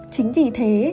chính vì thế